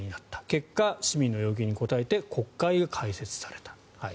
結果、市民の要求に応えて国会が開設された。